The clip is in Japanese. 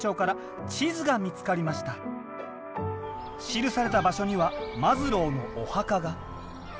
記された場所にはマズローのお墓が。